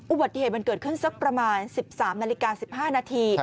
อุบัติเหตุมันเกิดขึ้นสักประมาณ๑๓นาฬิกา๑๕นาที